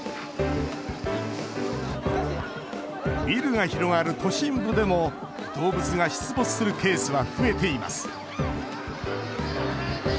ビルが広がる都心部でも動物が出没するケースは増えています。